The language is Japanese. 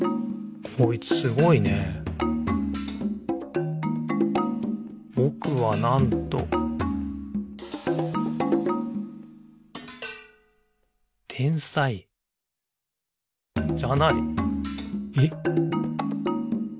こいつすごいね「ぼくは、なんと」天才じゃない。え？